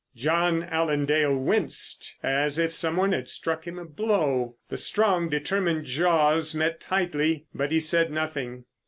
John Allen Dale winced as if some one had struck him a blow. The strong, determined jaws met tightly, but he said nothing.